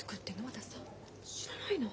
知らないの？